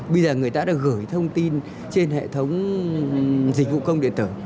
bây giờ người ta đã gửi thông tin trên hệ thống dịch vụ công điện tử